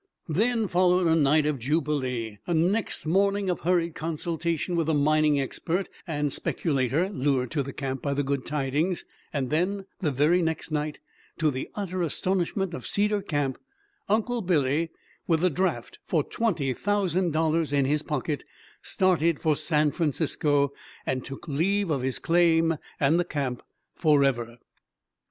Then followed a night of jubilee, a next morning of hurried consultation with a mining expert and speculator lured to the camp by the good tidings; and then the very next night to the utter astonishment of Cedar Camp Uncle Billy, with a draft for twenty thousand dollars in his pocket, started for San Francisco, and took leave of his claim and the camp forever!